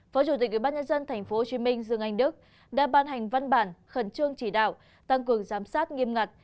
phó chủ tịch ubnd tp hcm dương anh đức đã ban hành văn bản khẩn trương chỉ đạo tăng cường giám sát nghiêm ngặt